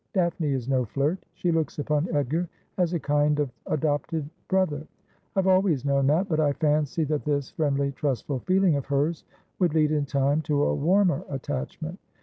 'Daphne is no flirt. She looks upon Edgar as a kind of adopted brother. I have always known that, but I fancied that this friendly trustful feeling of hers would lead in time to a warmer attachment.